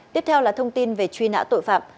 thông tin về truy nã tội phạm